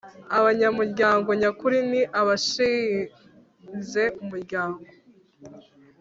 Abanyamuryango nyakuri ni abashinze umuryango